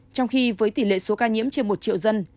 trong khi với tỷ lệ số ca nhiễm trên một triệu dân